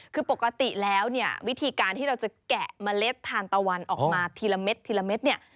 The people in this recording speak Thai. คือปกติแล้วเนี่ยวิธีการที่เราจะแกะเมล็ดทานตะวันออกมาทีละเม็ดทีละเม็ดเนี่ย